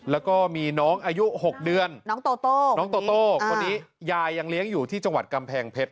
แล้วก็มีน้องอายุ๖เดือนน้องโตโต้น้องโตโต้คนนี้ยายยังเลี้ยงอยู่ที่จังหวัดกำแพงเพชร